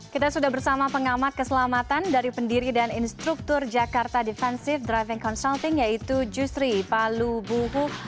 kita sudah bersama pengamat keselamatan dari pendiri dan instruktur jakarta defensive driving consulting yaitu jusri palu buhu